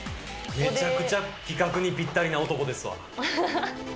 めちゃくちゃ企画にぴったりな男ですわ。